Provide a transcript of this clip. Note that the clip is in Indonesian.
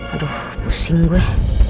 aduh pusing gue